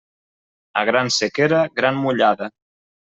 A gran sequera, gran mullada.